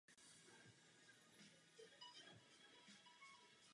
Členské státy a Komise neberou na svá bedra své povinnosti.